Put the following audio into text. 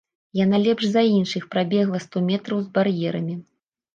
Яна лепш за іншых прабегла сто метраў з бар'ерамі.